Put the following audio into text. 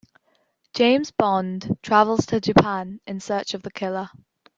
James Bond travels to Japan in search of the killer.